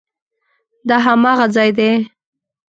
دا هماغه ځای دی؟